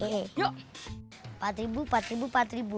empat ribu empat ribu empat ribu